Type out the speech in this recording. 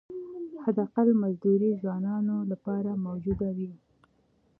حداقل مزدوري ځوانانو لپاره موجوده وي.